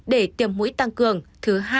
để tiêm mũi tăng cường thứ hai